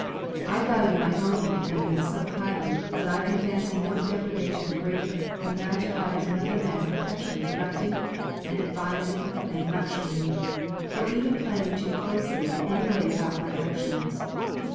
I value my own independence so highly that I can fancy no degradation greater than that of having another man perpetually directing and advising and lecturing me, or even planning too closely in any way about my actions.